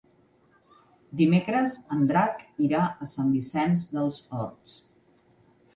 Dimecres en Drac irà a Sant Vicenç dels Horts.